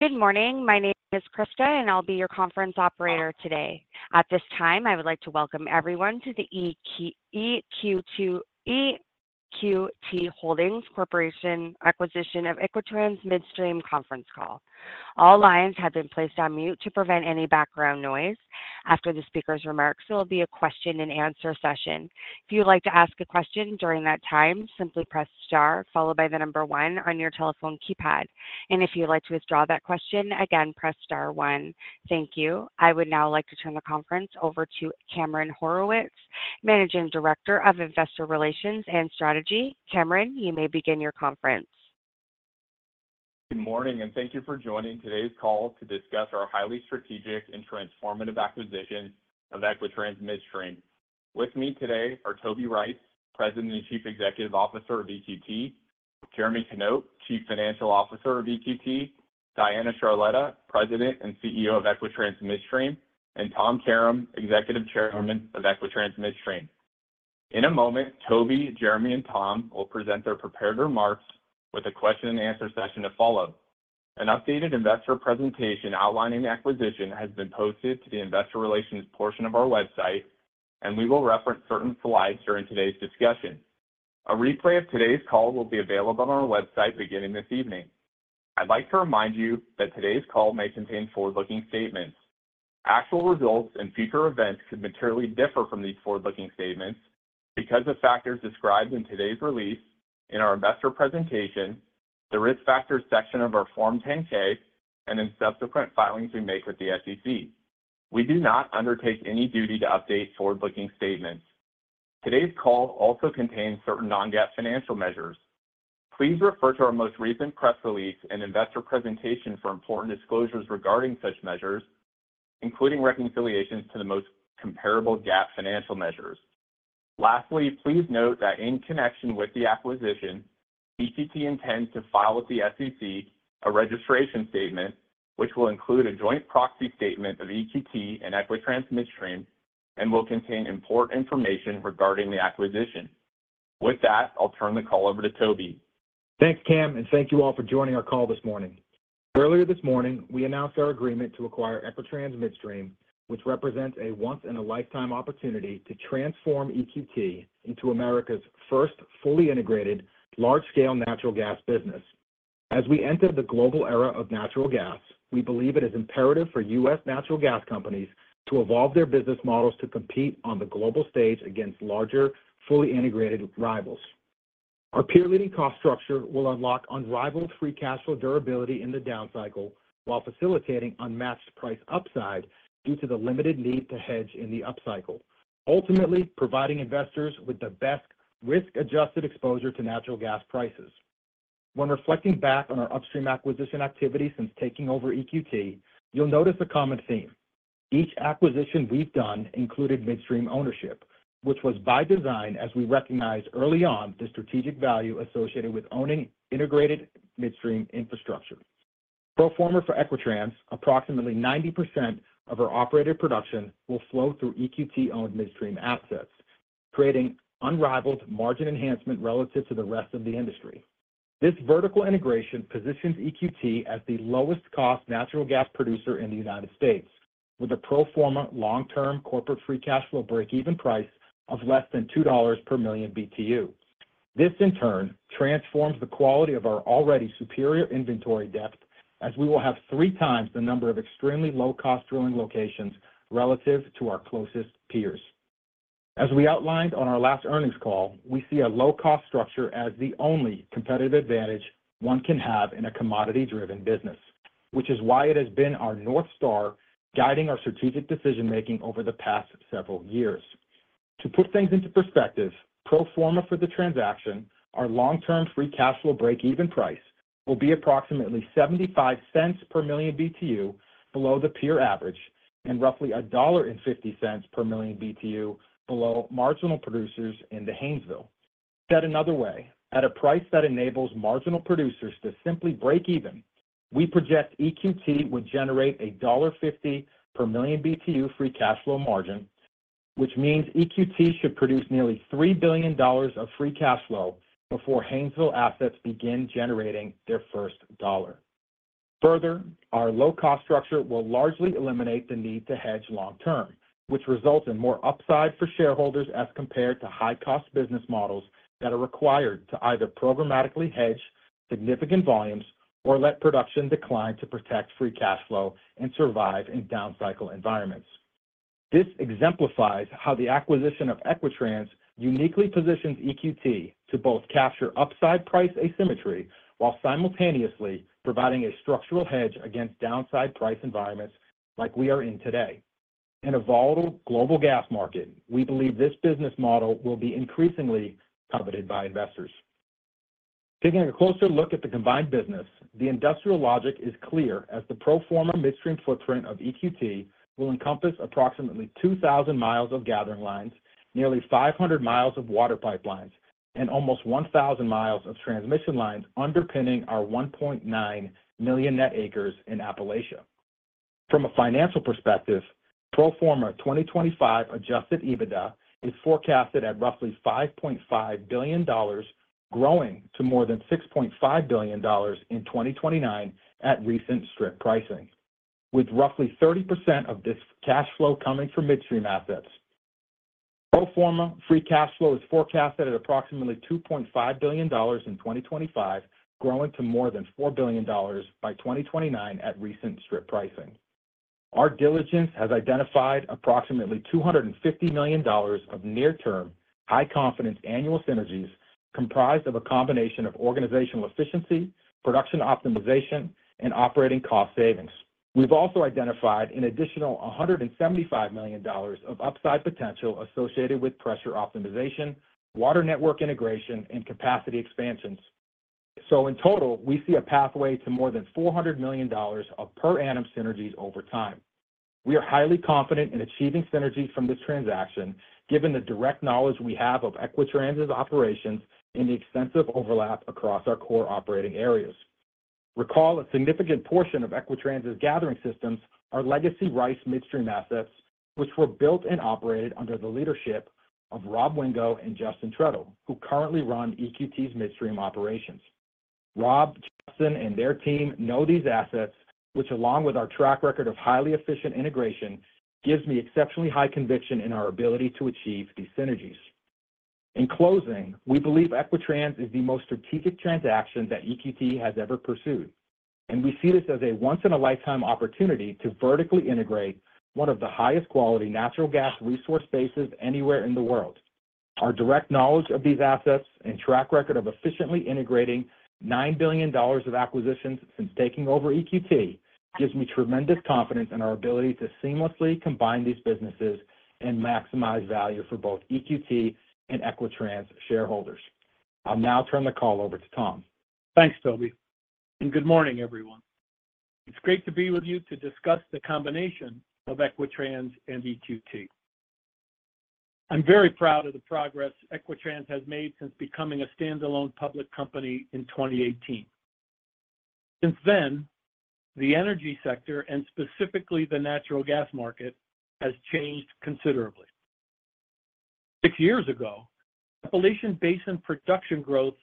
Good morning. My name is Krista, and I'll be your conference operator today. At this time, I would like to welcome everyone to the EQT Corporation's acquisition of Equitrans Midstream conference call. All lines have been placed on mute to prevent any background noise. After the speaker's remarks, there will be a question-and-answer session. If you would like to ask a question during that time, simply press * followed by the number 1 on your telephone keypad. And if you would like to withdraw that question, again, press * 1. Thank you. I would now like to turn the conference over to Cameron Horwitz, Managing Director of Investor Relations and Strategy. Cameron, you may begin your conference. Good morning, and thank you for joining today's call to discuss our highly strategic and transformative acquisition of Equitrans Midstream. With me today are Toby Rice, President and Chief Executive Officer of EQT; Jeremy Knop, Chief Financial Officer of EQT; Diana Charletta, President and CEO of Equitrans Midstream; and Tom Karam, Executive Chairman of Equitrans Midstream. In a moment, Toby, Jeremy, and Tom will present their prepared remarks with a question-and-answer session to follow. An updated investor presentation outlining the acquisition has been posted to the Investor Relations portion of our website, and we will reference certain slides during today's discussion. A replay of today's call will be available on our website beginning this evening. I'd like to remind you that today's call may contain forward-looking statements. Actual results and future events could materially differ from these forward-looking statements because of factors described in today's release, in our investor presentation, the risk factors section of our Form 10-K, and in subsequent filings we make with the SEC. We do not undertake any duty to update forward-looking statements. Today's call also contains certain non-GAAP financial measures. Please refer to our most recent press release and investor presentation for important disclosures regarding such measures, including reconciliations to the most comparable GAAP financial measures. Lastly, please note that in connection with the acquisition, EQT intends to file with the SEC a registration statement, which will include a joint proxy statement of EQT and Equitrans Midstream and will contain important information regarding the acquisition. With that, I'll turn the call over to Toby. Thanks, Cam, and thank you all for joining our call this morning. Earlier this morning, we announced our agreement to acquire Equitrans Midstream, which represents a once-in-a-lifetime opportunity to transform EQT into America's first fully integrated large-scale natural gas business. As we enter the global era of natural gas, we believe it is imperative for U.S. natural gas companies to evolve their business models to compete on the global stage against larger, fully integrated rivals. Our peer-leading cost structure will unlock unrivaled free cash flow durability in the downcycle while facilitating unmatched price upside due to the limited need to hedge in the upcycle, ultimately providing investors with the best risk-adjusted exposure to natural gas prices. When reflecting back on our upstream acquisition activity since taking over EQT, you'll notice a common theme. Each acquisition we've done included midstream ownership, which was by design as we recognized early on the strategic value associated with owning integrated midstream infrastructure. Pro forma for Equitrans, approximately 90% of our operated production will flow through EQT-owned midstream assets, creating unrivaled margin enhancement relative to the rest of the industry. This vertical integration positions EQT as the lowest-cost natural gas producer in the United States, with a pro forma long-term corporate free cash flow break-even price of less than $2 per MMBtu. This, in turn, transforms the quality of our already superior inventory depth as we will have three times the number of extremely low-cost drilling locations relative to our closest peers. As we outlined on our last earnings call, we see a low-cost structure as the only competitive advantage one can have in a commodity-driven business, which is why it has been our North Star guiding our strategic decision-making over the past several years. To put things into perspective, pro forma for the transaction, our long-term free cash flow break-even price, will be approximately $0.75 per million BTU below the peer average and roughly $1.50 per million BTU below marginal producers in the Haynesville. Said another way, at a price that enables marginal producers to simply break even, we project EQT would generate a $1.50 per million BTU free cash flow margin, which means EQT should produce nearly $3 billion of free cash flow before Haynesville assets begin generating their first dollar. Further, our low-cost structure will largely eliminate the need to hedge long-term, which results in more upside for shareholders as compared to high-cost business models that are required to either programmatically hedge significant volumes or let production decline to protect free cash flow and survive in downcycle environments. This exemplifies how the acquisition of Equitrans uniquely positions EQT to both capture upside price asymmetry while simultaneously providing a structural hedge against downside price environments like we are in today. In a volatile global gas market, we believe this business model will be increasingly coveted by investors. Taking a closer look at the combined business, the industrial logic is clear as the pro forma midstream footprint of EQT will encompass approximately 2,000 miles of gathering lines, nearly 500 miles of water pipelines, and almost 1,000 miles of transmission lines underpinning our 1.9 million net acres in Appalachia. From a financial perspective, pro forma 2025 adjusted EBITDA is forecasted at roughly $5.5 billion, growing to more than $6.5 billion in 2029 at recent strip pricing, with roughly 30% of this cash flow coming from midstream assets. Pro forma free cash flow is forecasted at approximately $2.5 billion in 2025, growing to more than $4 billion by 2029 at recent strip pricing. Our diligence has identified approximately $250 million of near-term, high-confidence annual synergies comprised of a combination of organizational efficiency, production optimization, and operating cost savings. We've also identified an additional $175 million of upside potential associated with pressure optimization, water network integration, and capacity expansions. So in total, we see a pathway to more than $400 million of per annum synergies over time. We are highly confident in achieving synergies from this transaction given the direct knowledge we have of Equitrans' operations and the extensive overlap across our core operating areas. Recall a significant portion of Equitrans' gathering systems are legacy Rice Midstream assets, which were built and operated under the leadership of Rob Wingo and Justin Trettel, who currently run EQT's midstream operations. Rob, Justin, and their team know these assets, which along with our track record of highly efficient integration, gives me exceptionally high conviction in our ability to achieve these synergies. In closing, we believe Equitrans is the most strategic transaction that EQT has ever pursued, and we see this as a once-in-a-lifetime opportunity to vertically integrate one of the highest-quality natural gas resource bases anywhere in the world. Our direct knowledge of these assets and track record of efficiently integrating $9 billion of acquisitions since taking over EQT gives me tremendous confidence in our ability to seamlessly combine these businesses and maximize value for both EQT and Equitrans shareholders. I'll now turn the call over to Tom. Thanks, Toby, and good morning, everyone. It's great to be with you to discuss the combination of Equitrans and EQT. I'm very proud of the progress Equitrans has made since becoming a standalone public company in 2018. Since then, the energy sector, and specifically the natural gas market, has changed considerably. Six years ago, Appalachian Basin production growth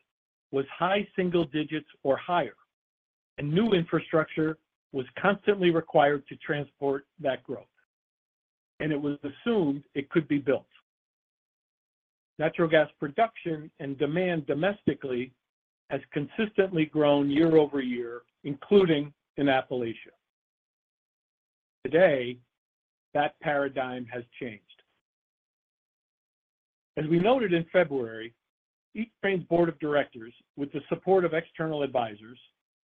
was high single digits or higher, and new infrastructure was constantly required to transport that growth, and it was assumed it could be built. Natural gas production and demand domestically has consistently grown year-over-year, including in Appalachia. Today, that paradigm has changed. As we noted in February, Equitrans' board of directors, with the support of external advisors,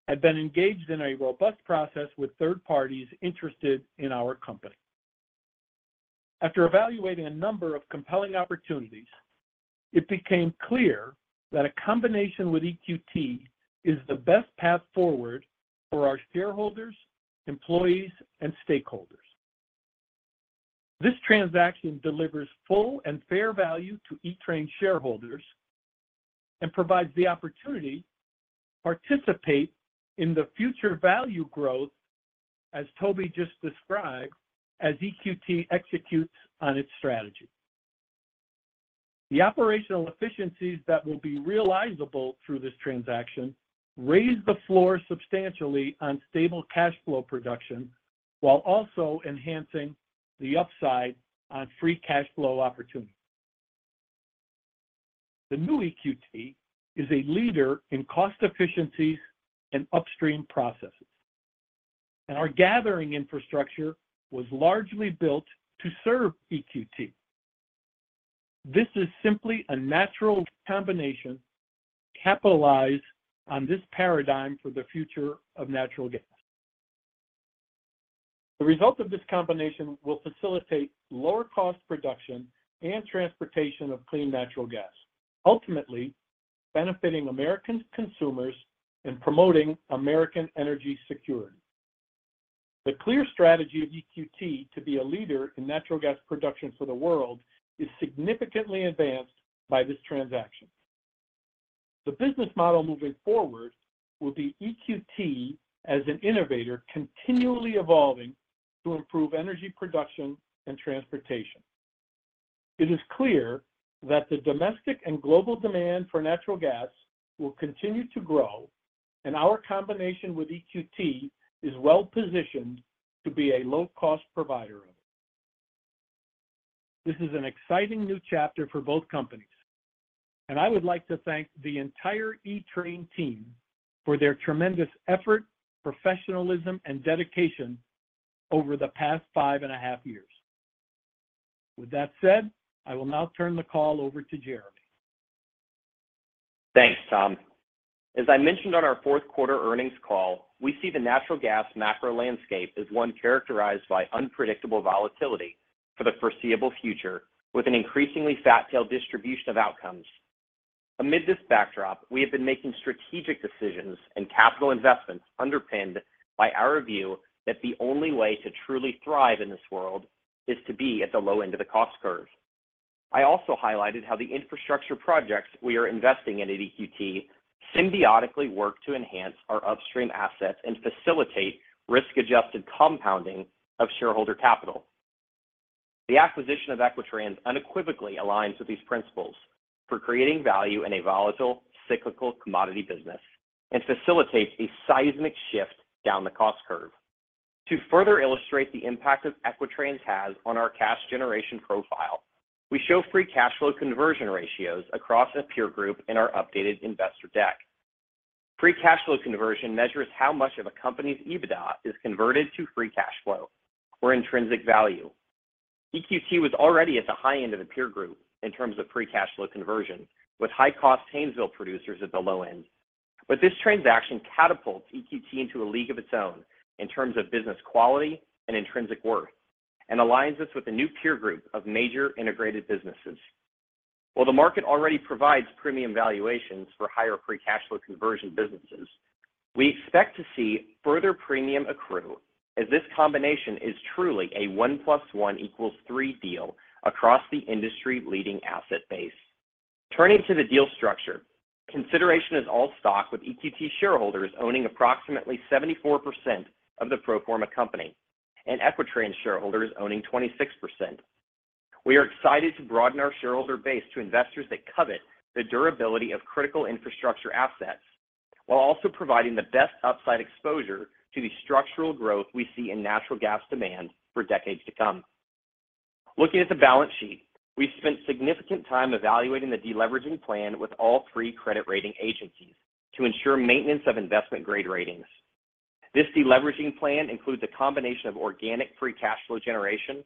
had been engaged in a robust process with third parties interested in our company. After evaluating a number of compelling opportunities, it became clear that a combination with EQT is the best path forward for our shareholders, employees, and stakeholders. This transaction delivers full and fair value to Equitrans shareholders and provides the opportunity to participate in the future value growth, as Toby just described, as EQT executes on its strategy. The operational efficiencies that will be realizable through this transaction raise the floor substantially on stable cash flow production while also enhancing the upside on free cash flow opportunities. The new EQT is a leader in cost efficiencies and upstream processes, and our gathering infrastructure was largely built to serve EQT. This is simply a natural combination capitalized on this paradigm for the future of natural gas. The result of this combination will facilitate lower-cost production and transportation of clean natural gas, ultimately benefiting American consumers and promoting American energy security. The clear strategy of EQT to be a leader in natural gas production for the world is significantly advanced by this transaction. The business model moving forward will be EQT as an innovator continually evolving to improve energy production and transportation. It is clear that the domestic and global demand for natural gas will continue to grow, and our combination with EQT is well-positioned to be a low-cost provider of it. This is an exciting new chapter for both companies, and I would like to thank the entire E-Train team for their tremendous effort, professionalism, and dedication over the past five and a half years. With that said, I will now turn the call over to Jeremy. Thanks, Tom. As I mentioned on our fourth quarter earnings call, we see the natural gas macro landscape as one characterized by unpredictable volatility for the foreseeable future with an increasingly fat-tailed distribution of outcomes. Amid this backdrop, we have been making strategic decisions and capital investments underpinned by our view that the only way to truly thrive in this world is to be at the low end of the cost curve. I also highlighted how the infrastructure projects we are investing in at EQT symbiotically work to enhance our upstream assets and facilitate risk-adjusted compounding of shareholder capital. The acquisition of Equitrans unequivocally aligns with these principles for creating value in a volatile, cyclical commodity business and facilitates a seismic shift down the cost curve. To further illustrate the impact that Equitrans has on our cash generation profile, we show free cash flow conversion ratios across a peer group in our updated investor deck. Free cash flow conversion measures how much of a company's EBITDA is converted to free cash flow or intrinsic value. EQT was already at the high end of the peer group in terms of free cash flow conversion, with high-cost Haynesville producers at the low end. But this transaction catapults EQT into a league of its own in terms of business quality and intrinsic worth and aligns us with a new peer group of major integrated businesses. While the market already provides premium valuations for higher free cash flow conversion businesses, we expect to see further premium accrue as this combination is truly a one plus one equals three deal across the industry-leading asset base. Turning to the deal structure, consideration is all stock with EQT shareholders owning approximately 74% of the pro forma company and Equitrans shareholders owning 26%. We are excited to broaden our shareholder base to investors that covet the durability of critical infrastructure assets while also providing the best upside exposure to the structural growth we see in natural gas demand for decades to come. Looking at the balance sheet, we spent significant time evaluating the deleveraging plan with all three credit rating agencies to ensure maintenance of investment-grade ratings. This deleveraging plan includes a combination of organic free cash flow generation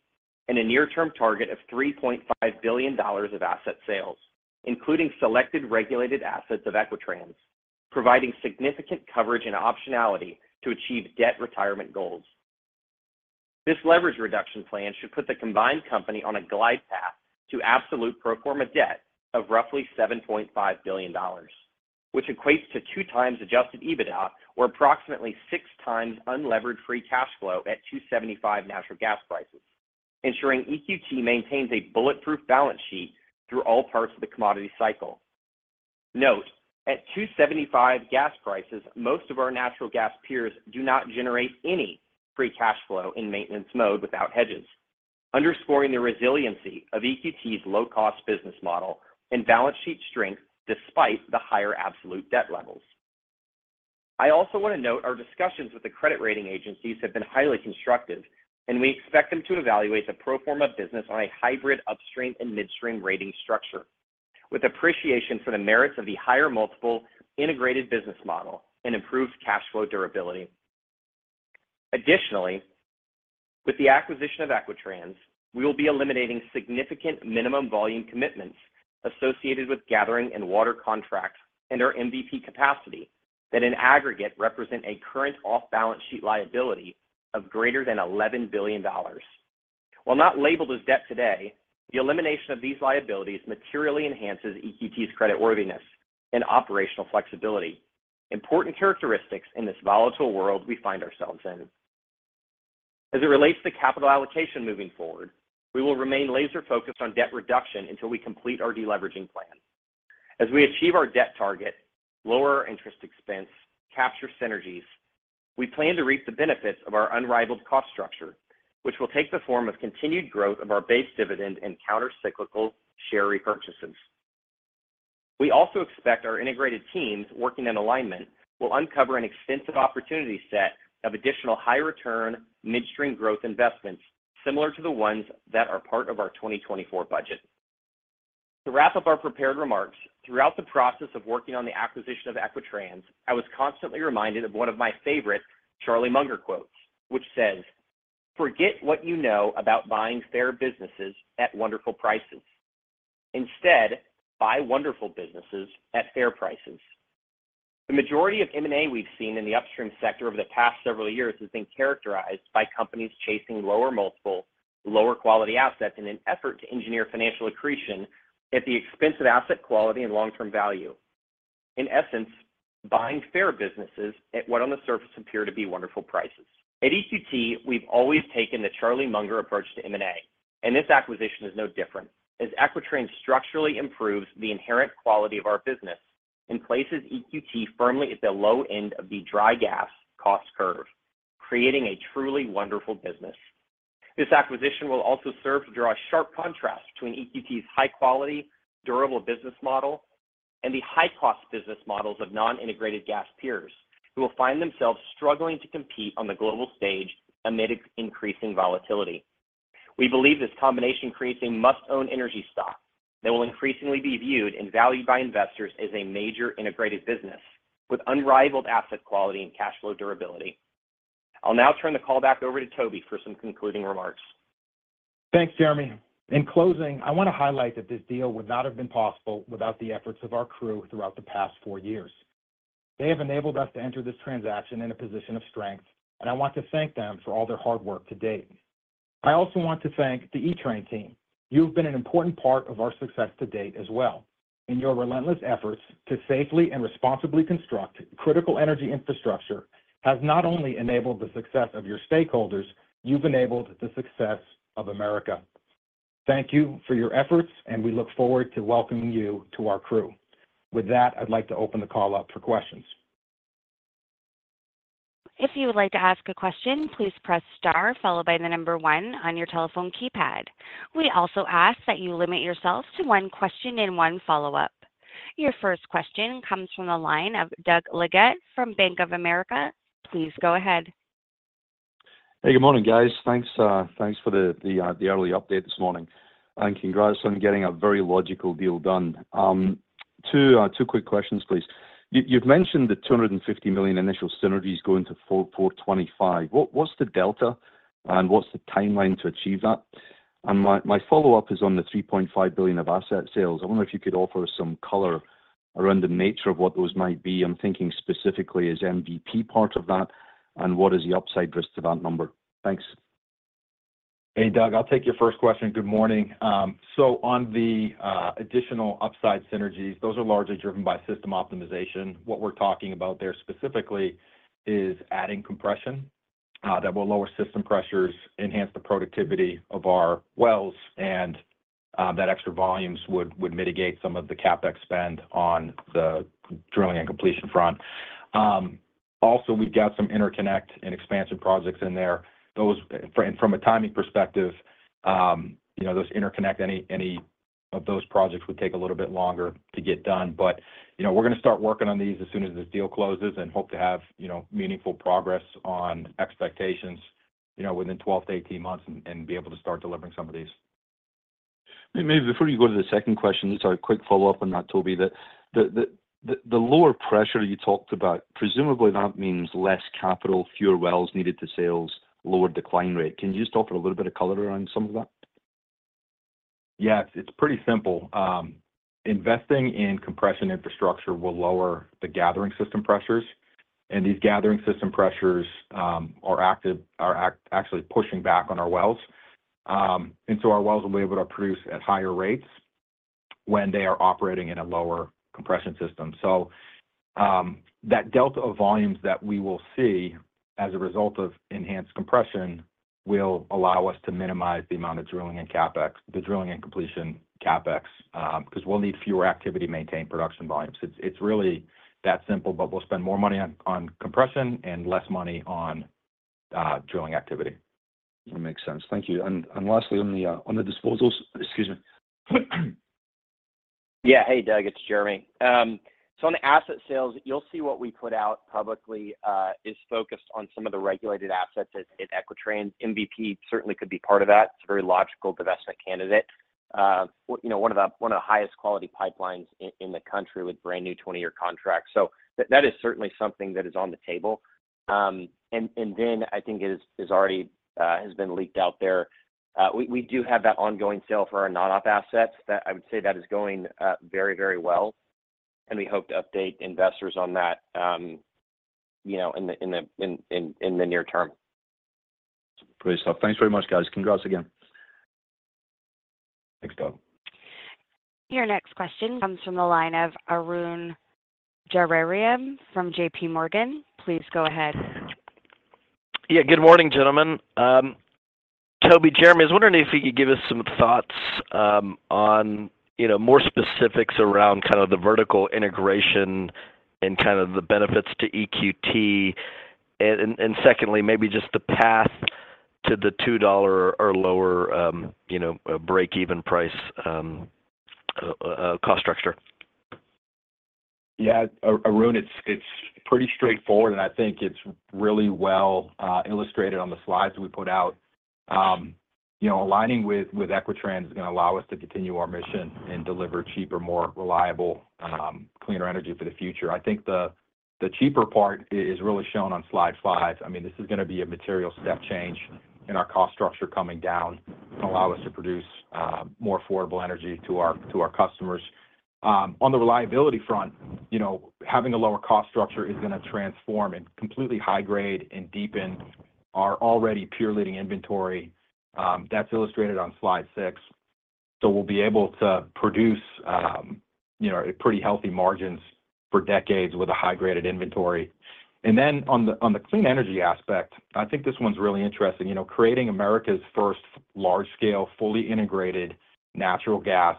and a near-term target of $3.5 billion of asset sales, including selected regulated assets of Equitrans, providing significant coverage and optionality to achieve debt retirement goals. This leverage reduction plan should put the combined company on a glide path to absolute pro forma debt of roughly $7.5 billion, which equates to 2x Adjusted EBITDA or approximately 6x unleveraged free cash flow at $2.75 natural gas prices, ensuring EQT maintains a bulletproof balance sheet through all parts of the commodity cycle. Note, at $2.75 gas prices, most of our natural gas peers do not generate any free cash flow in maintenance mode without hedges, underscoring the resiliency of EQT's low-cost business model and balance sheet strength despite the higher absolute debt levels. I also want to note our discussions with the credit rating agencies have been highly constructive, and we expect them to evaluate the pro forma business on a hybrid upstream and midstream rating structure with appreciation for the merits of the higher multiple integrated business model and improved cash flow durability. Additionally, with the acquisition of Equitrans, we will be eliminating significant minimum volume commitments associated with gathering and water contracts and our MVP capacity that in aggregate represent a current off-balance sheet liability of greater than $11 billion. While not labeled as debt today, the elimination of these liabilities materially enhances EQT's creditworthiness and operational flexibility, important characteristics in this volatile world we find ourselves in. As it relates to capital allocation moving forward, we will remain laser-focused on debt reduction until we complete our deleveraging plan. As we achieve our debt target, lower our interest expense, capture synergies, we plan to reap the benefits of our unrivaled cost structure, which will take the form of continued growth of our base dividend and countercyclical share repurchases. We also expect our integrated teams working in alignment will uncover an extensive opportunity set of additional high-return midstream growth investments similar to the ones that are part of our 2024 budget. To wrap up our prepared remarks, throughout the process of working on the acquisition of Equitrans, I was constantly reminded of one of my favorite Charlie Munger quotes, which says, "Forget what you know about buying fair businesses at wonderful prices. Instead, buy wonderful businesses at fair prices." The majority of M&A we've seen in the upstream sector over the past several years has been characterized by companies chasing lower multiple, lower quality assets in an effort to engineer financial accretion at the expense of asset quality and long-term value. In essence, buying fair businesses at what on the surface appear to be wonderful prices. At EQT, we've always taken the Charlie Munger approach to M&A, and this acquisition is no different as Equitrans structurally improves the inherent quality of our business and places EQT firmly at the low end of the dry gas cost curve, creating a truly wonderful business. This acquisition will also serve to draw a sharp contrast between EQT's high-quality, durable business model and the high-cost business models of non-integrated gas peers who will find themselves struggling to compete on the global stage amid increasing volatility. We believe this combination creates a must-own energy stock that will increasingly be viewed and valued by investors as a major integrated business with unrivaled asset quality and cash flow durability. I'll now turn the call back over to Toby for some concluding remarks. Thanks, Jeremy. In closing, I want to highlight that this deal would not have been possible without the efforts of our crew throughout the past four years. They have enabled us to enter this transaction in a position of strength, and I want to thank them for all their hard work to date. I also want to thank the E-Train team. You have been an important part of our success to date as well. In your relentless efforts to safely and responsibly construct critical energy infrastructure has not only enabled the success of your stakeholders, you've enabled the success of America. Thank you for your efforts, and we look forward to welcoming you to our crew. With that, I'd like to open the call up for questions. If you would like to ask a question, please press star followed by the number one on your telephone keypad. We also ask that you limit yourself to one question and one follow-up. Your first question comes from the line of Doug Leggett from Bank of America. Please go ahead. Hey, good morning, guys. Thanks for the early update this morning, and congrats on getting a very logical deal done. Two quick questions, please. You've mentioned the $250 million initial synergies going to $425 million. What's the delta, and what's the timeline to achieve that? And my follow-up is on the $3.5 billion of asset sales. I wonder if you could offer us some color around the nature of what those might be. I'm thinking specifically as MVP part of that, and what is the upside risk to that number? Thanks. Hey, Doug. I'll take your first question. Good morning. So on the additional upside synergies, those are largely driven by system optimization. What we're talking about there specifically is adding compression that will lower system pressures, enhance the productivity of our wells, and that extra volumes would mitigate some of the CapEx spend on the drilling and completion front. Also, we've got some interconnect and expansion projects in there. And from a timing perspective, those interconnect, any of those projects would take a little bit longer to get done. But we're going to start working on these as soon as this deal closes and hope to have meaningful progress on expectations within 12-18 months and be able to start delivering some of these. Maybe before you go to the second question, just a quick follow-up on that, Toby, that the lower pressure you talked about, presumably that means less capital, fewer wells needed to sales, lower decline rate. Can you just offer a little bit of color around some of that? Yeah, it's pretty simple. Investing in compression infrastructure will lower the gathering system pressures, and these gathering system pressures are actually pushing back on our wells. And so our wells will be able to produce at higher rates when they are operating in a lower compression system. So that delta of volumes that we will see as a result of enhanced compression will allow us to minimize the amount of drilling and completion CapEx because we'll need fewer activity-maintained production volumes. It's really that simple, but we'll spend more money on compression and less money on drilling activity. That makes sense. Thank you. And lastly, on the disposals, excuse me. Yeah. Hey, Doug. It's Jeremy. So on the asset sales, you'll see what we put out publicly is focused on some of the regulated assets at Equitrans. MVP certainly could be part of that. It's a very logical investment candidate, one of the highest quality pipelines in the country with brand new 20-year contracts. So that is certainly something that is on the table. And then I think it has already been leaked out there. We do have that ongoing sale for our non-op assets. I would say that is going very, very well, and we hope to update investors on that in the near term. Brilliant stuff. Thanks very much, guys. Congrats again. Thanks, Doug. Your next question comes from the line of Arun Jayaram from JP Morgan. Please go ahead. Yeah. Good morning, gentlemen. Toby, Jeremy, I was wondering if you could give us some thoughts on more specifics around kind of the vertical integration and kind of the benefits to EQT? And secondly, maybe just the path to the $2 or lower break-even price cost structure? Yeah. Arun, it's pretty straightforward, and I think it's really well illustrated on the slides that we put out. Aligning with Equitrans is going to allow us to continue our mission and deliver cheaper, more reliable, cleaner energy for the future. I think the cheaper part is really shown on slide 5. I mean, this is going to be a material step change in our cost structure coming down to allow us to produce more affordable energy to our customers. On the reliability front, having a lower cost structure is going to transform and completely high-grade and deepen our already peer-leading inventory. That's illustrated on slide 6. So we'll be able to produce pretty healthy margins for decades with a high-graded inventory. And then on the clean energy aspect, I think this one's really interesting. Creating America's first large-scale, fully integrated natural gas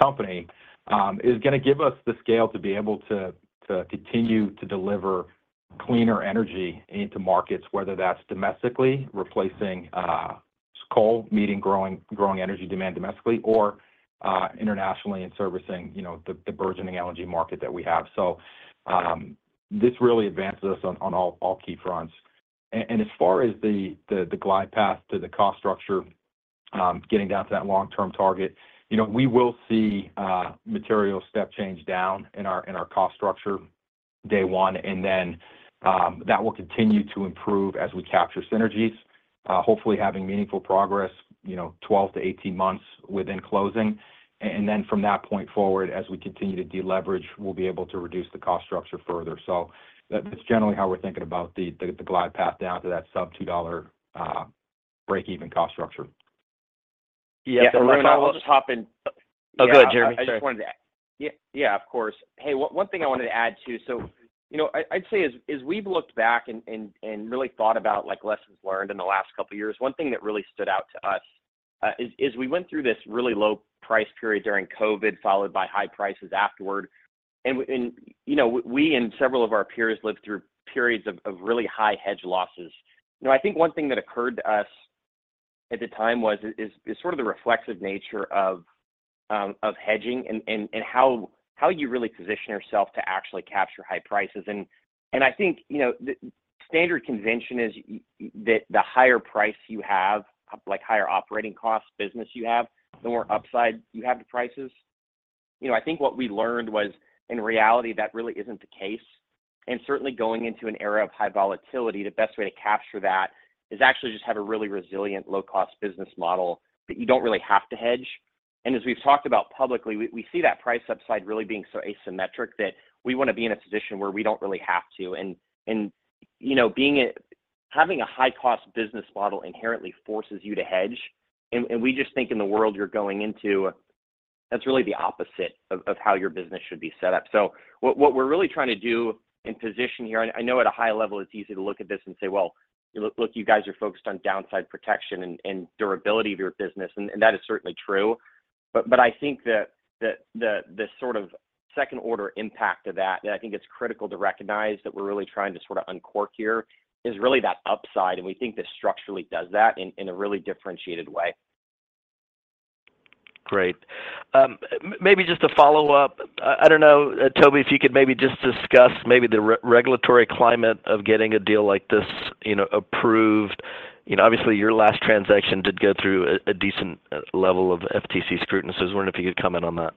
company is going to give us the scale to be able to continue to deliver cleaner energy into markets, whether that's domestically replacing coal, meeting growing energy demand domestically, or internationally and servicing the burgeoning energy market that we have. So this really advances us on all key fronts. And as far as the glide path to the cost structure, getting down to that long-term target, we will see material step change down in our cost structure day one, and then that will continue to improve as we capture synergies, hopefully having meaningful progress 12-18 months within closing. And then from that point forward, as we continue to deleverage, we'll be able to reduce the cost structure further. So that's generally how we're thinking about the glide path down to that sub-$2 break-even cost structure. Yeah. Arun, I'll just hop in. Oh, go ahead, Jeremy. Sorry. I just wanted to. Yeah, of course. Hey, one thing I wanted to add too. So, I'd say as we've looked back and really thought about lessons learned in the last couple of years, one thing that really stood out to us is we went through this really low-price period during COVID, followed by high prices afterward. We and several of our peers lived through periods of really high hedge losses. I think one thing that occurred to us at the time was sort of the reflexive nature of hedging and how you really position yourself to actually capture high prices. I think the standard convention is that the higher price you have, higher operating costs business you have, the more upside you have to prices. I think what we learned was, in reality, that really isn't the case. Certainly, going into an era of high volatility, the best way to capture that is actually just have a really resilient, low-cost business model that you don't really have to hedge. As we've talked about publicly, we see that price upside really being so asymmetric that we want to be in a position where we don't really have to. Having a high-cost business model inherently forces you to hedge. We just think in the world you're going into, that's really the opposite of how your business should be set up. So what we're really trying to do and position here, I know at a high level, it's easy to look at this and say, "Well, look, you guys are focused on downside protection and durability of your business." And that is certainly true. But I think that the sort of second-order impact of that, that I think it's critical to recognize that we're really trying to sort of uncork here, is really that upside. And we think this structurally does that in a really differentiated way. Great. Maybe just a follow-up. I don't know, Toby, if you could maybe just discuss maybe the regulatory climate of getting a deal like this approved. Obviously, your last transaction did go through a decent level of FTC scrutiny. So I was wondering if you could comment on that.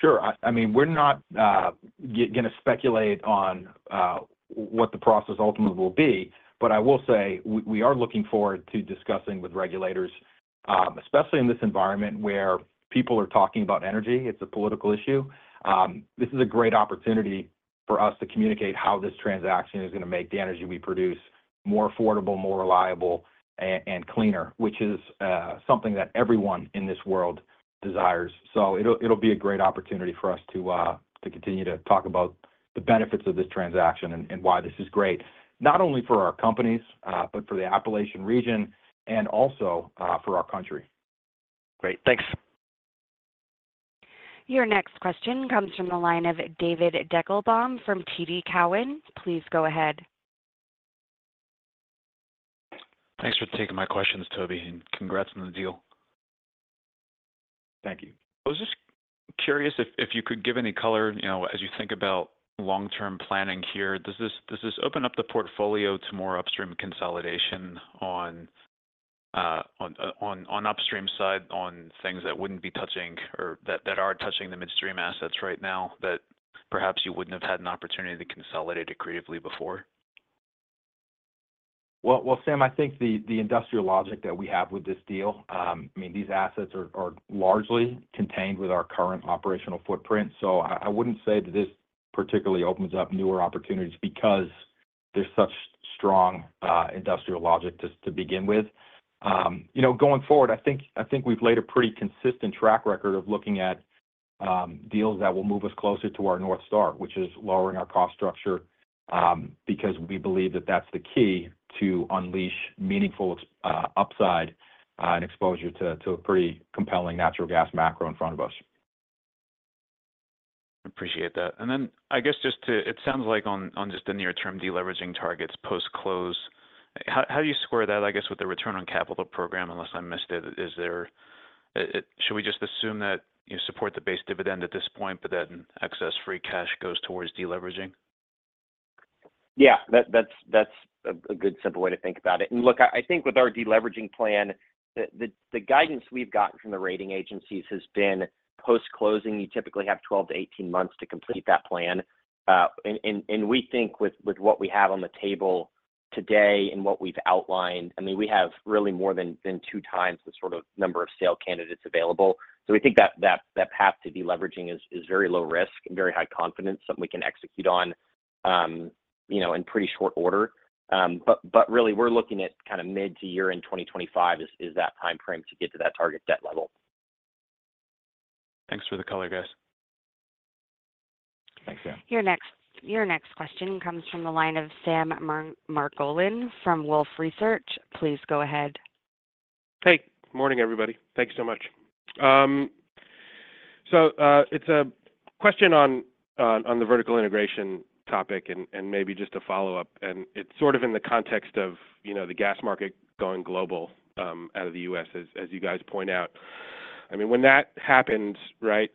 Sure. I mean, we're not going to speculate on what the process ultimately will be. But I will say we are looking forward to discussing with regulators, especially in this environment where people are talking about energy. It's a political issue. This is a great opportunity for us to communicate how this transaction is going to make the energy we produce more affordable, more reliable, and cleaner, which is something that everyone in this world desires. So it'll be a great opportunity for us to continue to talk about the benefits of this transaction and why this is great, not only for our companies, but for the Appalachian region and also for our country. Great. Thanks. Your next question comes from the line of David Deckelbaum from TD Cowen. Please go ahead. Thanks for taking my questions, Toby, and congrats on the deal. Thank you. I was just curious if you could give any color as you think about long-term planning here. Does this open up the portfolio to more upstream consolidation on upstream side on things that wouldn't be touching or that are touching the midstream assets right now that perhaps you wouldn't have had an opportunity to consolidate it creatively before? Well, Sam, I think the industrial logic that we have with this deal, I mean, these assets are largely contained with our current operational footprint. So I wouldn't say that this particularly opens up newer opportunities because there's such strong industrial logic to begin with. Going forward, I think we've laid a pretty consistent track record of looking at deals that will move us closer to our North Star, which is lowering our cost structure because we believe that that's the key to unleash meaningful upside and exposure to a pretty compelling natural gas macro in front of us. Appreciate that. And then I guess just to it sounds like on just the near-term deleveraging targets post-close. How do you square that, I guess, with the return on capital program, unless I missed it? Should we just assume that you support the base dividend at this point, but then excess free cash goes towards deleveraging? Yeah. That's a good, simple way to think about it. And look, I think with our deleveraging plan, the guidance we've gotten from the rating agencies has been post-closing, you typically have 12-18 months to complete that plan. And we think with what we have on the table today and what we've outlined I mean, we have really more than 2 times the sort of number of sale candidates available. So we think that path to deleveraging is very low risk, very high confidence, something we can execute on in pretty short order. But really, we're looking at kind of mid- to year-end 2025 is that timeframe to get to that target debt level. Thanks for the color, guys. Your next question comes from the line of Sam Margolin from Wolfe Research. Please go ahead. Hey. Good morning, everybody. Thanks so much. So it's a question on the vertical integration topic and maybe just a follow-up. And it's sort of in the context of the gas market going global out of the U.S., as you guys point out. I mean, when that happens, right,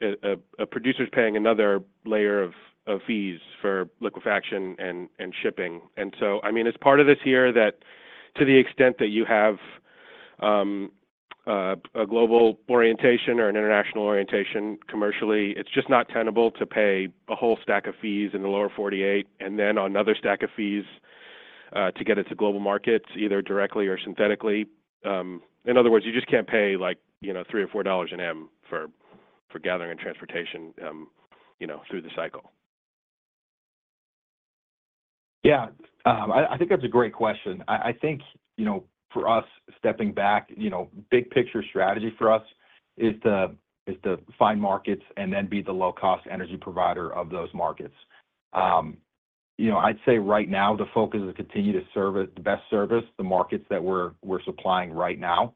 a producer's paying another layer of fees for liquefaction and shipping. And so I mean, it's part of this here that to the extent that you have a global orientation or an international orientation commercially, it's just not tenable to pay a whole stack of fees in the lower 48 and then on another stack of fees to get it to global markets either directly or synthetically. In other words, you just can't pay like $3 or $4 an M for gathering and transportation through the cycle. Yeah. I think that's a great question. I think for us, stepping back, big-picture strategy for us is to find markets and then be the low-cost energy provider of those markets. I'd say right now, the focus is to continue to serve the best service, the markets that we're supplying right now.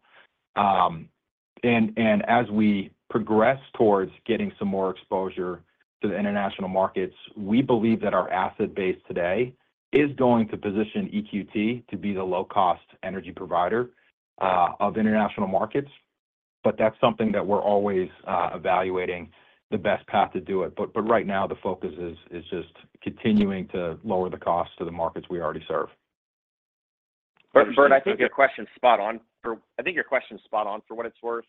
And as we progress towards getting some more exposure to the international markets, we believe that our asset base today is going to position EQT to be the low-cost energy provider of international markets. But that's something that we're always evaluating the best path to do it. But right now, the focus is just continuing to lower the cost to the markets we already serve. Bert, I think your question's spot on. I think your question's spot on for what it's worth.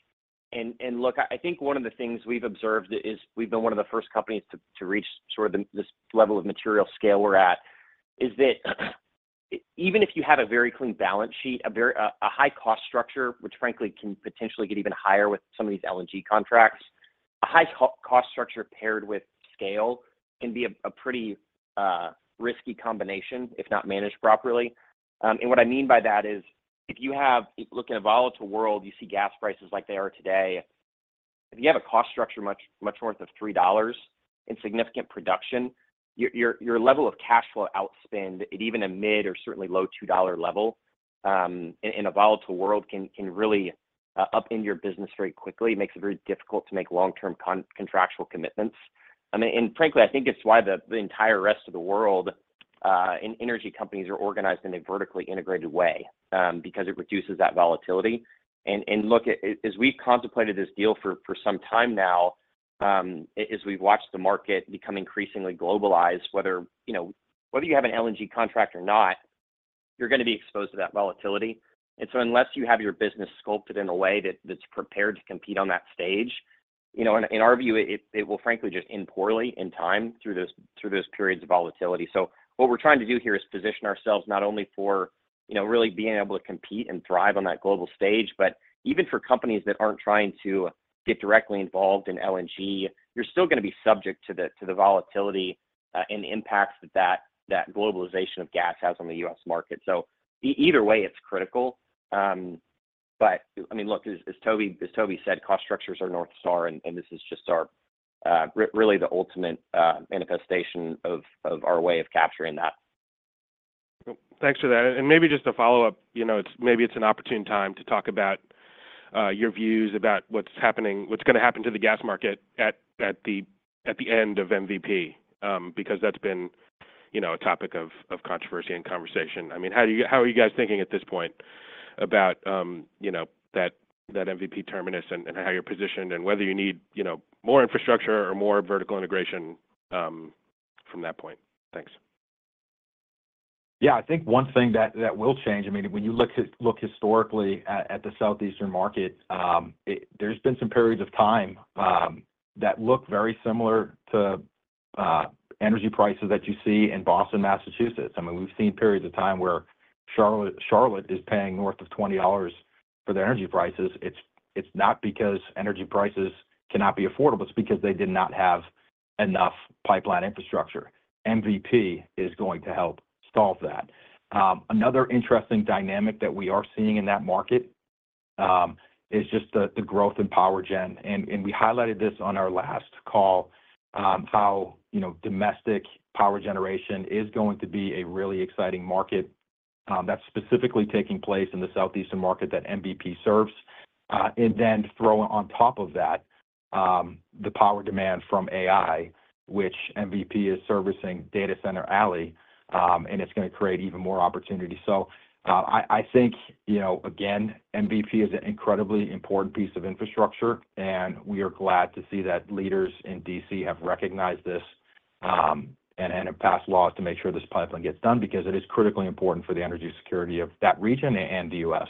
And look, I think one of the things we've observed is we've been one of the first companies to reach sort of this level of material scale we're at is that even if you have a very clean balance sheet, a high-cost structure, which frankly can potentially get even higher with some of these LNG contracts, a high-cost structure paired with scale can be a pretty risky combination, if not managed properly. And what I mean by that is if you have look in a volatile world, you see gas prices like they are today. If you have a cost structure much north of $3 in significant production, your level of cash flow outspend, even a mid- or certainly low-$2 level in a volatile world, can really upend your business very quickly. It makes it very difficult to make long-term contractual commitments. I mean, and frankly, I think it's why the entire rest of the world's energy companies are organized in a vertically integrated way because it reduces that volatility. Look, as we've contemplated this deal for some time now, as we've watched the market become increasingly globalized, whether you have an LNG contract or not, you're going to be exposed to that volatility. So unless you have your business sculpted in a way that's prepared to compete on that stage, in our view, it will frankly just end poorly in time through those periods of volatility. So what we're trying to do here is position ourselves not only for really being able to compete and thrive on that global stage, but even for companies that aren't trying to get directly involved in LNG, you're still going to be subject to the volatility and impacts that that globalization of gas has on the U.S. market. So either way, it's critical. But I mean, look, as Toby said, cost structures are North Star, and this is just really the ultimate manifestation of our way of capturing that. Thanks for that. Maybe just a follow-up, maybe it's an opportune time to talk about your views about what's going to happen to the gas market at the end of MVP because that's been a topic of controversy and conversation. I mean, how are you guys thinking at this point about that MVP terminus and how you're positioned and whether you need more infrastructure or more vertical integration from that point? Thanks. Yeah. I think one thing that will change. I mean, when you look historically at the southeastern market, there's been some periods of time that look very similar to energy prices that you see in Boston, Massachusetts. I mean, we've seen periods of time where Charlotte is paying north of $20 for their energy prices. It's not because energy prices cannot be affordable. It's because they did not have enough pipeline infrastructure. MVP is going to help solve that. Another interesting dynamic that we are seeing in that market is just the growth in power gen. And we highlighted this on our last call, how domestic power generation is going to be a really exciting market that's specifically taking place in the southeastern market that MVP serves. And then throw on top of that the power demand from AI, which MVP is servicing Data Center Alley, and it's going to create even more opportunity. So I think, again, MVP is an incredibly important piece of infrastructure, and we are glad to see that leaders in D.C. have recognized this and have passed laws to make sure this pipeline gets done because it is critically important for the energy security of that region and the U.S.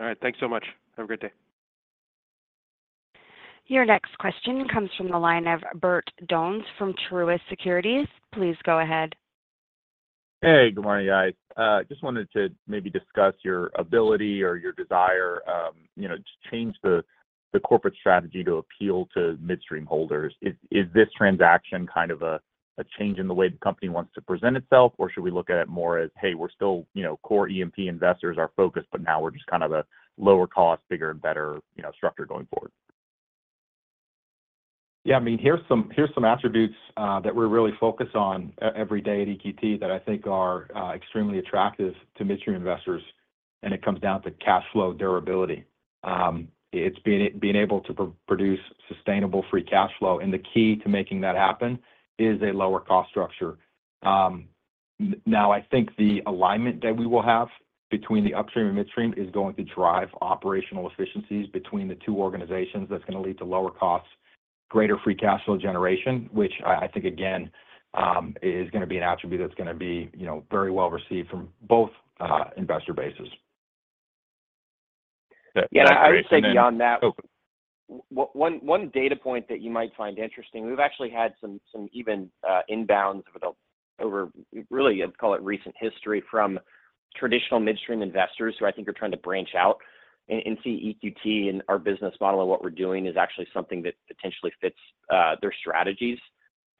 All right. Thanks so much. Have a great day. Your next question comes from the line of Bert Donnes from Truist Securities. Please go ahead. Hey. Good morning, guys. Just wanted to maybe discuss your ability or your desire to change the corporate strategy to appeal to midstream holders. Is this transaction kind of a change in the way the company wants to present itself, or should we look at it more as, "Hey, we're still core EQM investors, our focus, but now we're just kind of a lower-cost, bigger, and better structure going forward"? Yeah. I mean, here's some attributes that we're really focused on every day at EQT that I think are extremely attractive to midstream investors. And it comes down to cash flow durability. It's being able to produce sustainable free cash flow. And the key to making that happen is a lower-cost structure. Now, I think the alignment that we will have between the upstream and midstream is going to drive operational efficiencies between the two organizations. That's going to lead to lower costs, greater free cash flow generation, which I think, again, is going to be an attribute that's going to be very well received from both investor bases. Yeah. And I would say beyond that, one data point that you might find interesting we've actually had some even inbounds over really, I'd call it recent history from traditional midstream investors who I think are trying to branch out and see EQT and our business model and what we're doing is actually something that potentially fits their strategies.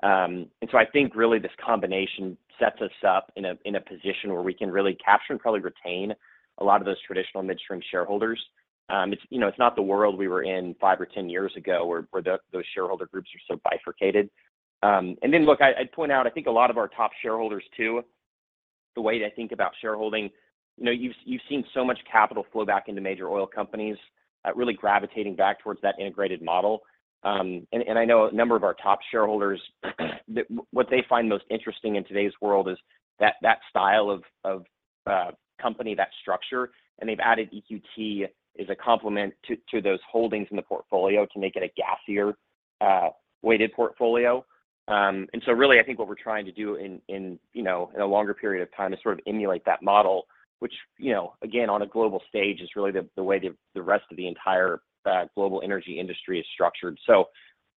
And so I think really this combination sets us up in a position where we can really capture and probably retain a lot of those traditional midstream shareholders. It's not the world we were in five or 10 years ago where those shareholder groups are so bifurcated. And then look, I'd point out I think a lot of our top shareholders too, the way they think about shareholding you've seen so much capital flow back into major oil companies really gravitating back towards that integrated model. And I know a number of our top shareholders, what they find most interesting in today's world is that style of company, that structure. And they've added EQT as a complement to those holdings in the portfolio to make it a gassier-weighted portfolio. And so really, I think what we're trying to do in a longer period of time is sort of emulate that model, which, again, on a global stage is really the way the rest of the entire global energy industry is structured. So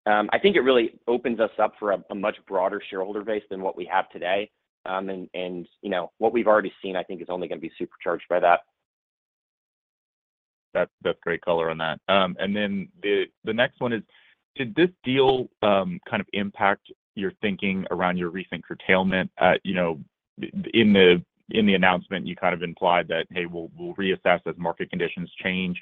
I think it really opens us up for a much broader shareholder base than what we have today. And what we've already seen, I think, is only going to be supercharged by that. That's great color on that. And then the next one is, did this deal kind of impact your thinking around your recent curtailment? In the announcement, you kind of implied that, "Hey, we'll reassess as market conditions change."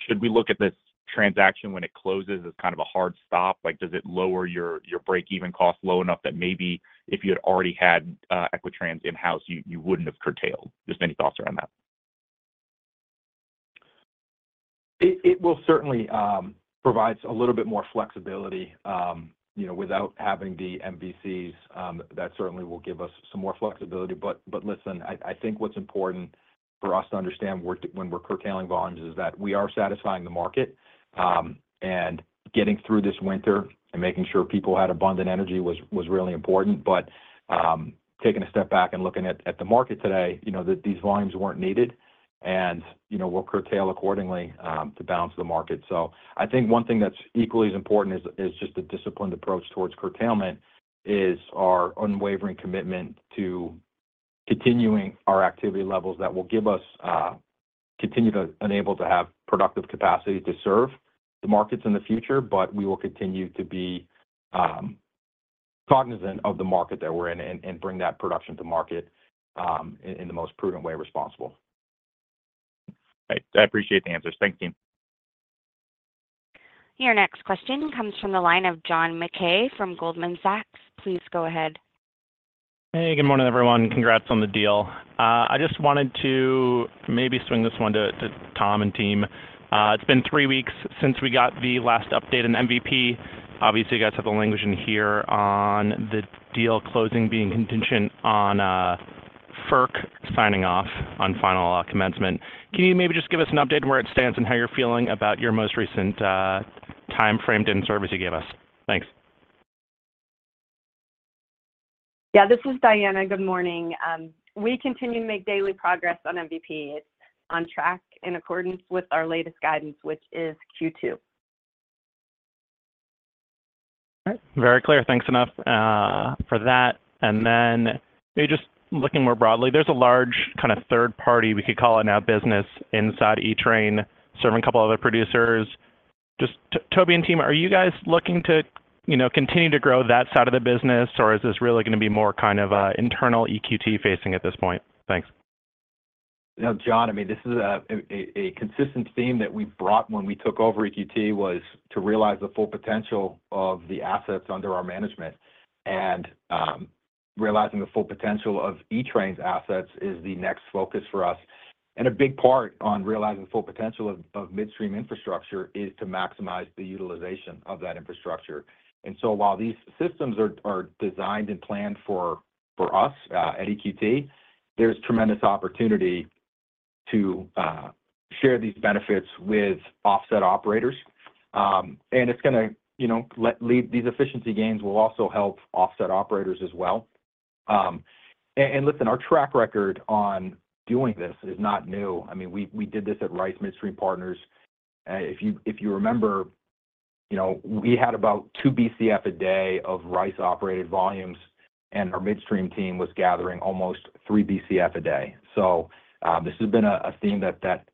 Should we look at this transaction when it closes as kind of a hard stop? Does it lower your break-even costs low enough that maybe if you had already had Equitrans in-house, you wouldn't have curtailed? Just any thoughts around that. It will certainly provide a little bit more flexibility without having the MVCs. That certainly will give us some more flexibility. But listen, I think what's important for us to understand when we're curtailing volumes is that we are satisfying the market. And getting through this winter and making sure people had abundant energy was really important. But taking a step back and looking at the market today, these volumes weren't needed. And we'll curtail accordingly to balance the market. So I think one thing that's equally as important as just a disciplined approach towards curtailment is our unwavering commitment to continuing our activity levels that will give us continue to enable to have productive capacity to serve the markets in the future. But we will continue to be cognizant of the market that we're in and bring that production to market in the most prudent way responsible. All right. I appreciate the answers. Thanks, team. Your next question comes from the line of John McKay from Goldman Sachs. Please go ahead. Hey. Good morning, everyone. Congrats on the deal. I just wanted to maybe swing this one to Tom and team. It's been three weeks since we got the last update in MVP. Obviously, you guys have the language in here on the deal closing being contingent on FERC signing off on final commencement. Can you maybe just give us an update on where it stands and how you're feeling about your most recent time frame in service you gave us? Thanks. Yeah. This is Diana. Good morning. We continue to make daily progress on MVP. It's on track in accordance with our latest guidance, which is Q2. All right. Very clear. Thanks enough for that. And then maybe just looking more broadly, there's a large kind of third party, we could call it now, business inside E-Train serving a couple of other producers. Just Toby and team, are you guys looking to continue to grow that side of the business, or is this really going to be more kind of internal EQT facing at this point? Thanks. Now, John, I mean, this is a consistent theme that we brought when we took over EQT was to realize the full potential of the assets under our management. And realizing the full potential of E-Train's assets is the next focus for us. And a big part on realizing the full potential of midstream infrastructure is to maximize the utilization of that infrastructure. And so while these systems are designed and planned for us at EQT, there's tremendous opportunity to share these benefits with offset operators. And it's going to lead these efficiency gains will also help offset operators as well. And listen, our track record on doing this is not new. I mean, we did this at Rice Midstream Partners. If you remember, we had about 2 BCF a day of Rice-operated volumes, and our midstream team was gathering almost 3 BCF a day. This has been a theme that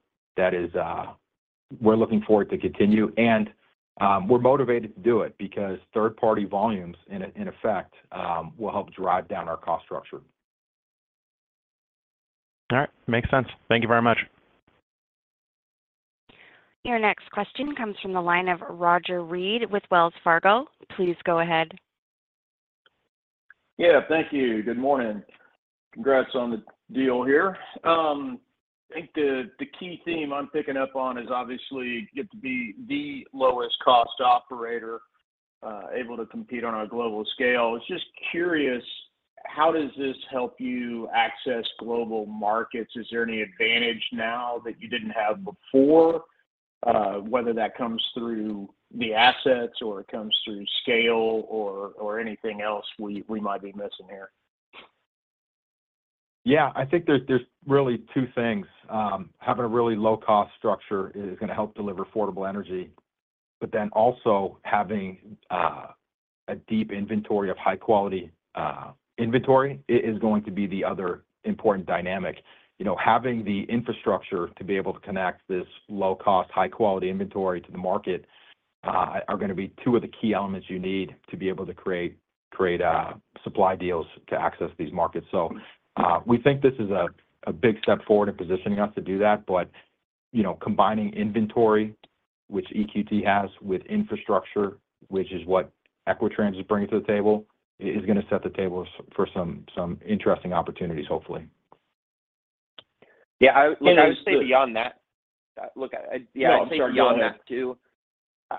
we're looking forward to continue. We're motivated to do it because third-party volumes, in effect, will help drive down our cost structure. All right. Makes sense. Thank you very much. Your next question comes from the line of Roger Read with Wells Fargo. Please go ahead. Yeah. Thank you. Good morning. Congrats on the deal here. I think the key theme I'm picking up on is obviously get to be the lowest-cost operator able to compete on a global scale. I was just curious, how does this help you access global markets? Is there any advantage now that you didn't have before, whether that comes through the assets or it comes through scale or anything else we might be missing here? Yeah. I think there's really two things. Having a really low-cost structure is going to help deliver affordable energy. But then also having a deep inventory of high-quality inventory is going to be the other important dynamic. Having the infrastructure to be able to connect this low-cost, high-quality inventory to the market are going to be two of the key elements you need to be able to create supply deals to access these markets. So we think this is a big step forward in positioning us to do that. But combining inventory, which EQT has, with infrastructure, which is what Equitrans is bringing to the table, is going to set the table for some interesting opportunities, hopefully. Yeah. Look, I would say beyond that look, yeah, I'd say beyond that too,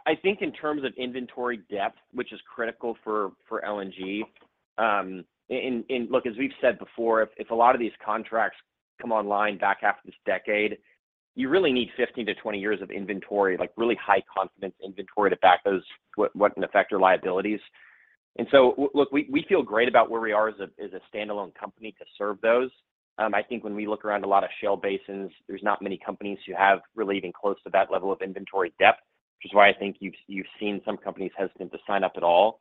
I think in terms of inventory depth, which is critical for LNG and look, as we've said before, if a lot of these contracts come online back half of this decade, you really need 15-20 years of inventory, really high-confidence inventory to back those what in effect are liabilities. And so look, we feel great about where we are as a standalone company to serve those. I think when we look around a lot of shale basins, there's not many companies who have really even close to that level of inventory depth, which is why I think you've seen some companies hesitant to sign up at all.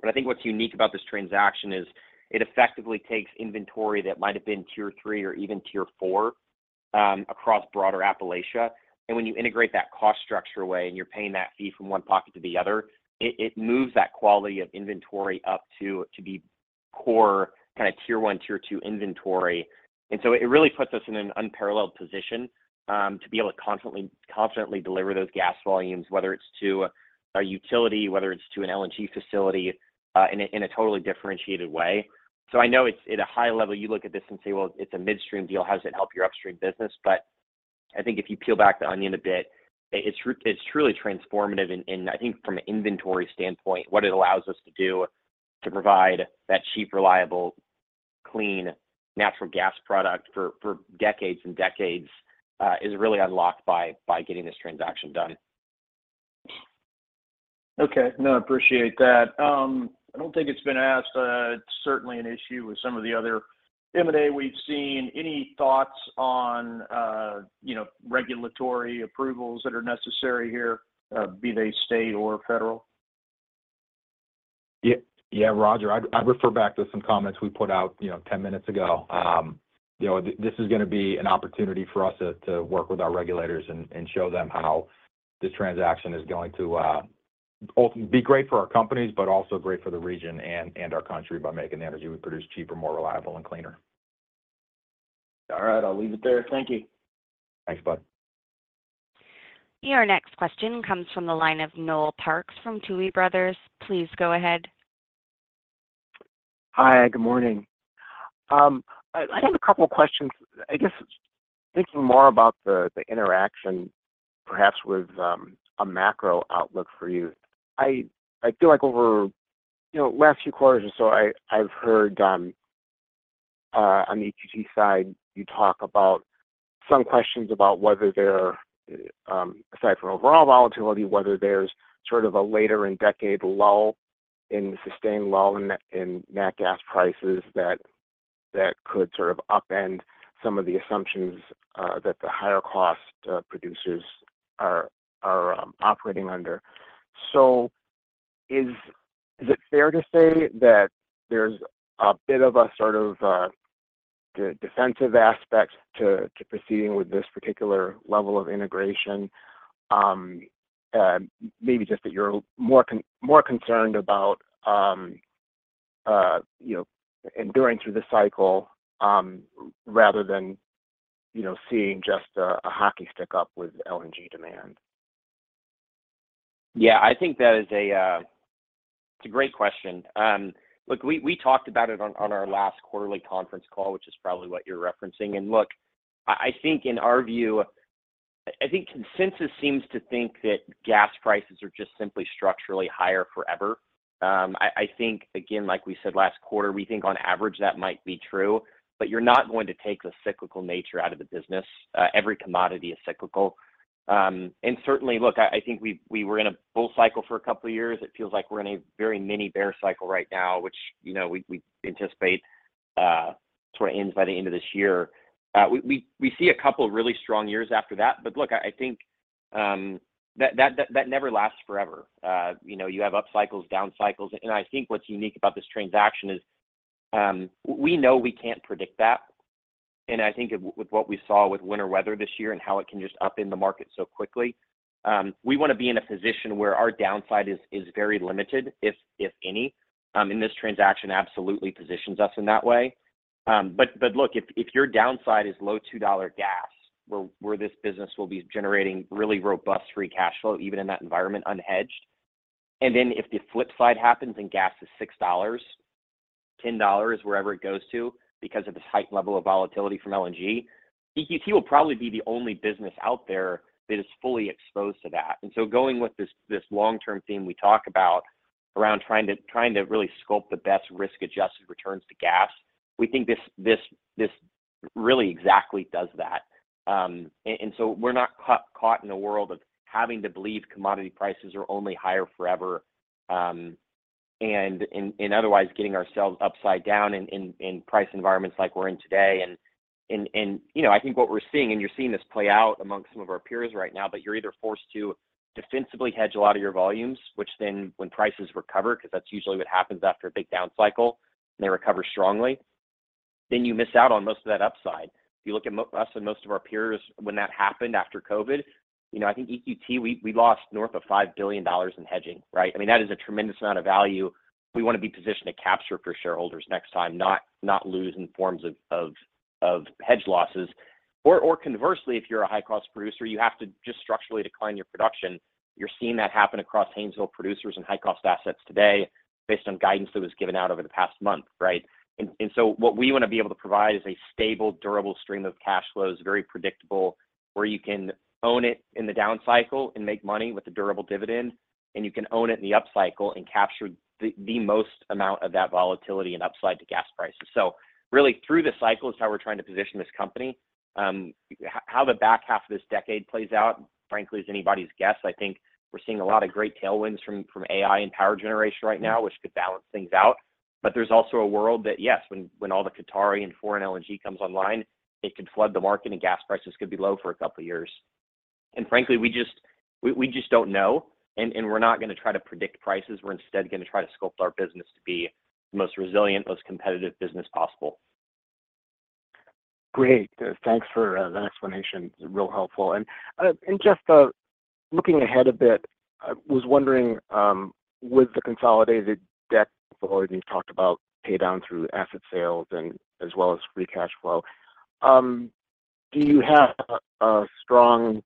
But I think what's unique about this transaction is it effectively takes inventory that might have been tier three or even tier four across broader Appalachia. And when you integrate that cost structure away and you're paying that fee from one pocket to the other, it moves that quality of inventory up to be core kind of tier one, tier two inventory. And so it really puts us in an unparalleled position to be able to confidently deliver those gas volumes, whether it's to a utility, whether it's to an LNG facility, in a totally differentiated way. So I know at a high level, you look at this and say, "Well, it's a midstream deal. How does it help your upstream business?" But I think if you peel back the onion a bit, it's truly transformative. And I think from an inventory standpoint, what it allows us to do to provide that cheap, reliable, clean, natural gas product for decades and decades is really unlocked by getting this transaction done. Okay. No, I appreciate that. I don't think it's been asked. It's certainly an issue with some of the other M&A we've seen. Any thoughts on regulatory approvals that are necessary here, be they state or federal? Yeah. Roger, I'd refer back to some comments we put out 10 minutes ago. This is going to be an opportunity for us to work with our regulators and show them how this transaction is going to be great for our companies, but also great for the region and our country by making the energy we produce cheaper, more reliable, and cleaner. All right. I'll leave it there. Thank you. Thanks, bud. Your next question comes from the line of Noel Parks from Tuohy Brothers. Please go ahead. Hi. Good morning. I have a couple of questions. I guess thinking more about the interaction, perhaps with a macro outlook for you, I feel like over the last few quarters or so, I've heard on the EQT side, you talk about some questions about whether there aside from overall volatility, whether there's sort of a later-in-decade low in sustained low in natural gas prices that could sort of upend some of the assumptions that the higher-cost producers are operating under. So is it fair to say that there's a bit of a sort of defensive aspect to proceeding with this particular level of integration, maybe just that you're more concerned about enduring through the cycle rather than seeing just a hockey stick up with LNG demand? Yeah. I think that is – it's a great question. Look, we talked about it on our last quarterly conference call, which is probably what you're referencing. And look, I think in our view, I think consensus seems to think that gas prices are just simply structurally higher forever. I think, again, like we said last quarter, we think on average that might be true. But you're not going to take the cyclical nature out of the business. Every commodity is cyclical. And certainly, look, I think we were in a bull cycle for a couple of years. It feels like we're in a very mini bear cycle right now, which we anticipate sort of ends by the end of this year. We see a couple of really strong years after that. But look, I think that never lasts forever. You have upcycles, downcycles. I think what's unique about this transaction is we know we can't predict that. I think with what we saw with winter weather this year and how it can just upend the market so quickly, we want to be in a position where our downside is very limited, if any. This transaction absolutely positions us in that way. But look, if your downside is low-$2 gas, where this business will be generating really robust free cash flow, even in that environment unhedged, and then if the flip side happens and gas is $6-$10, wherever it goes to because of this height and level of volatility from LNG, EQT will probably be the only business out there that is fully exposed to that. And so, going with this long-term theme we talk about around trying to really sculpt the best risk-adjusted returns to gas, we think this really exactly does that. And so we're not caught in a world of having to believe commodity prices are only higher forever and otherwise getting ourselves upside down in price environments like we're in today. And I think what we're seeing and you're seeing this play out amongst some of our peers right now, but you're either forced to defensively hedge a lot of your volumes, which then when prices recover because that's usually what happens after a big downcycle and they recover strongly, then you miss out on most of that upside. If you look at us and most of our peers when that happened after COVID, I think EQT, we lost north of $5 billion in hedging, right? I mean, that is a tremendous amount of value. We want to be positioned to capture for shareholders next time, not lose in forms of hedge losses. Or conversely, if you're a high-cost producer, you have to just structurally decline your production. You're seeing that happen across Haynesville producers and high-cost assets today based on guidance that was given out over the past month, right? And so what we want to be able to provide is a stable, durable stream of cash flows, very predictable, where you can own it in the downcycle and make money with a durable dividend, and you can own it in the upcycle and capture the most amount of that volatility and upside to gas prices. So really, through the cycle is how we're trying to position this company. How the back half of this decade plays out, frankly, is anybody's guess. I think we're seeing a lot of great tailwinds from AI and power generation right now, which could balance things out. But there's also a world that, yes, when all the Qatari and foreign LNG comes online, it could flood the market and gas prices could be low for a couple of years. And frankly, we just don't know. And we're not going to try to predict prices. We're instead going to try to sculpt our business to be the most resilient, most competitive business possible. Great. Thanks for the explanation. It's real helpful. And just looking ahead a bit, I was wondering, with the consolidated debt flow and you've talked about paydown through asset sales as well as free cash flow, do you have a strong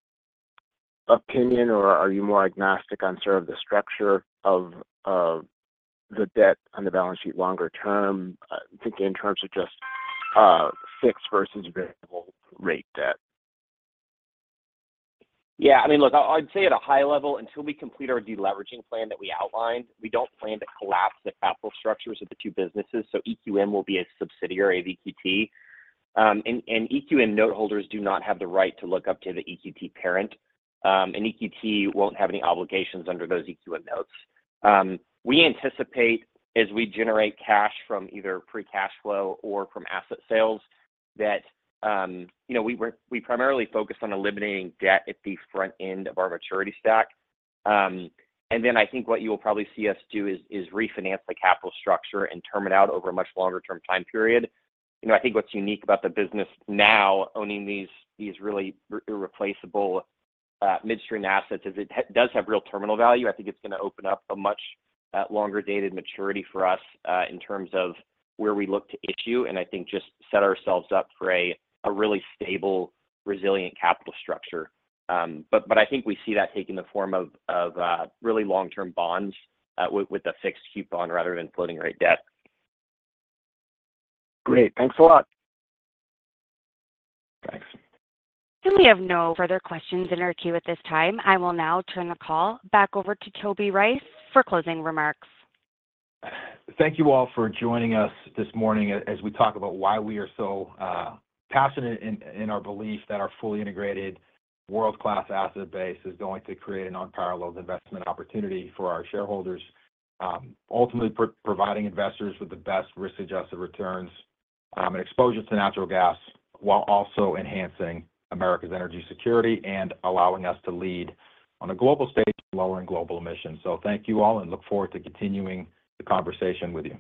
opinion or are you more agnostic on sort of the structure of the debt on the balance sheet longer term, thinking in terms of just fixed versus variable rate debt? Yeah. I mean, look, I'd say at a high level, until we complete our deleveraging plan that we outlined, we don't plan to collapse the capital structures of the two businesses. So EQM will be a subsidiary of EQT. And EQM noteholders do not have the right to look up to the EQT parent. And EQT won't have any obligations under those EQM notes. We anticipate, as we generate cash from either free cash flow or from asset sales, that we primarily focus on eliminating debt at the front end of our maturity stack. And then I think what you will probably see us do is refinance the capital structure and term it out over a much longer-term time period. I think what's unique about the business now owning these really irreplaceable midstream assets is it does have real terminal value. I think it's going to open up a much longer-dated maturity for us in terms of where we look to issue and I think just set ourselves up for a really stable, resilient capital structure. But I think we see that taking the form of really long-term bonds with a fixed coupon rather than floating rate debt. Great. Thanks a lot. Thanks. We have no further questions in our queue at this time. I will now turn the call back over to Toby Rice for closing remarks. Thank you all for joining us this morning as we talk about why we are so passionate in our belief that our fully integrated, world-class asset base is going to create an unparalleled investment opportunity for our shareholders, ultimately providing investors with the best risk-adjusted returns and exposure to natural gas while also enhancing America's energy security and allowing us to lead on a global stage in lowering global emissions. So thank you all, and look forward to continuing the conversation with you.